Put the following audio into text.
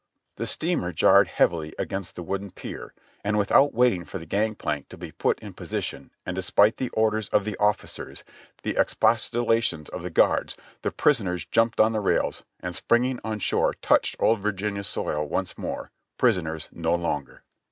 The steamer jarred heavily against the wooden pier, and with out waiting for the gang plank to be put in position and despite the orders of the officers, the expostulations of the guards, the' prisoners jumped on the rails, and springing on shore touched Old Virginia soil once more, prisoners no longer.